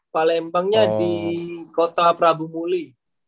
palembangnya di kota prabu muli